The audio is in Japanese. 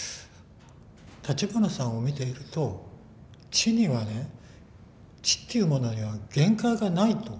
立花さんを見ていると知にはね知っていうものには限界がないと。